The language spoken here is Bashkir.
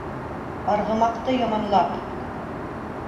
Арғымаҡты яманлап